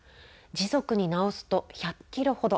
時速に直すと１００キロほど。